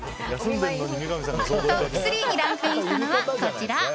トップ３にランクインしたのは、こちら。